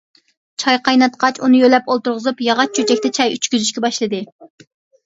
چاي قايناتقاچ، ئۇنى يۆلەپ ئولتۇرغۇزۇپ، ياغاچ چۆچەكتە چاي ئىچكۈزۈشكە باشلىدى.